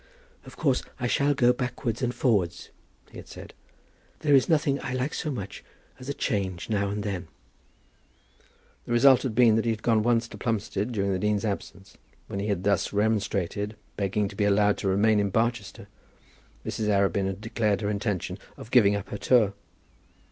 "Of course I shall go backwards and forwards," he had said. "There is nothing I like so much as a change now and then." The result had been that he had gone once to Plumstead during the dean's absence. When he had thus remonstrated, begging to be allowed to remain in Barchester, Mrs. Arabin had declared her intention of giving up her tour.